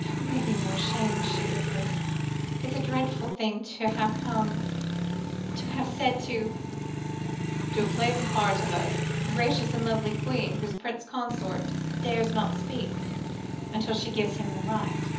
"Don't make me more ashamed," she whispered. "It is dreadful to have come to have said to " "To have played the part of a gracious and lovely queen, whose Prince Consort dares not speak, until she gives him the right?"